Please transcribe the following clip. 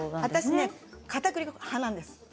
私はかたくり粉派なんです。